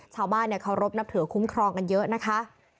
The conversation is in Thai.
ชาวบ้านเคารพนับถือคุ้มครองกันเยอะนะคะ